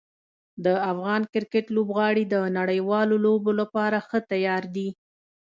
د افغان کرکټ لوبغاړي د نړیوالو لوبو لپاره ښه تیار دي.